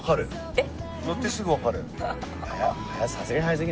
えっ？